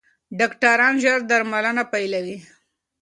ډاکټران ژر درملنه پیلوي.